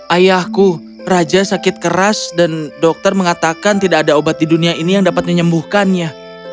ayahku raja sakit keras dan dokter mengatakan tidak ada obat di dunia ini yang dapat menyembuhkannya